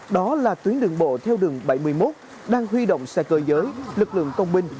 đó là tuyến đường bộ theo đường bảy mươi một đang huy động xe cơ giới lực lượng công binh